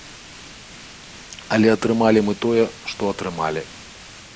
Але атрымалі мы тое, што атрымалі.